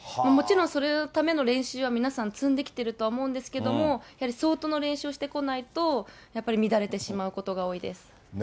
もちろんそれのための練習は皆さん、積んできてるとは思うんですけど、やはり相当な練習をしてこないと、やっぱり乱れてしまうことが多いです。